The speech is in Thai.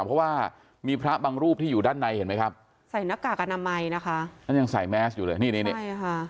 เพราะว่ามีพระบางรูปที่อยู่ด้านในเห็นไหมครับใส่หน้ากากอนามัยนะคะท่านยังใส่แมสอยู่เลยนี่นี่ใช่ค่ะ